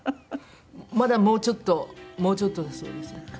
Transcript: まだもうちょっともうちょっとだそうですね。